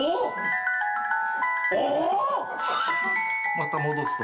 また戻すと。